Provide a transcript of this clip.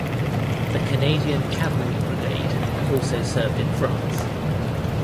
The Canadian Cavalry Brigade also served in France.